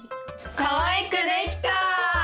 かわいくできた！